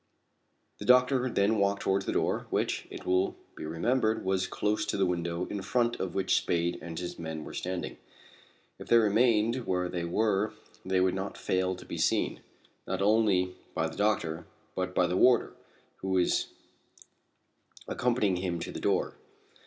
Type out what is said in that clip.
The doctor then walked towards the door, which, it will be remembered, was close to the window in front of which Spade and his men were standing. If they remained where they were they could not fail to be seen, not only by the doctor, but by the warder, who was accompanying him to the door.